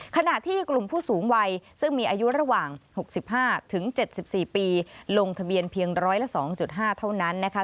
ขณะที่กลุ่มผู้สูงวัยซึ่งมีอายุระหว่าง๖๕๗๔ปีลงทะเบียนเพียงร้อยละ๒๕เท่านั้นนะคะ